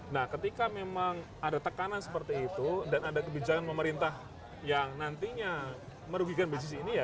nah ketika memang ada tekanan seperti itu dan ada kebijakan pemerintah yang nantinya merugikan bisnis ini ya